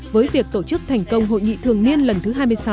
với việc tổ chức thành công hội nghị thường niên lần thứ hai mươi sáu